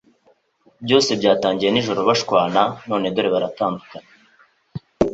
Byose byatangiye nijoro bashwana none dore baratandukanye